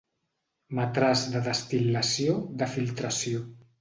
Matràs de destil·lació, de filtració.